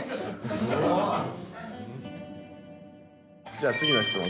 じゃあ次の質問